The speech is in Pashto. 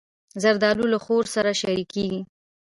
زردالو له خور سره شریکېږي.